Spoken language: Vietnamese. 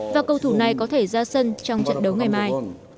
và cầu thủ này có thể ra sân trong trận đấu ngày mai